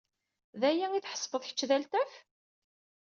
D aya ay tḥesbed kečč d altaf?